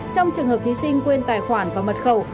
trong trường hợp thí sinh quên tài khoản và mật khẩu